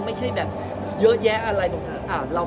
ไม่ใช่แบบเยอะแยะ